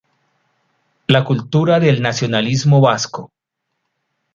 La cultura del nacionalismo vasco.